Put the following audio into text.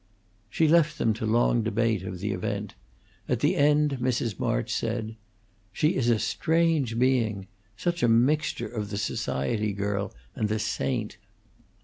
She left them to long debate of the event. At the end Mrs. March said, "She is a strange being; such a mixture of the society girl and the saint."